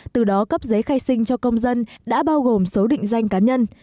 từ đó cấp giấy khai sinh cho công dân đã bao gồm số định danh cá nhân